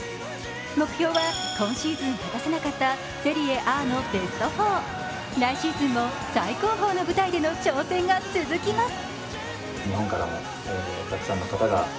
目標は今シーズン果たせなかったセリエＡのベスト４。来シーズンも最高峰の舞台での挑戦が続きます。